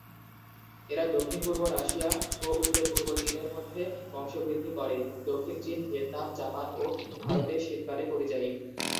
এরা দক্ষিণ-পূর্ব রাশিয়া ও উত্তর-পূর্ব চীন-এর মধ্যে বংশবৃদ্ধি করে; দক্ষিণ চীন, ভিয়েতনাম, জাপান ও ভারতে শীতকালে পরিযায়ী।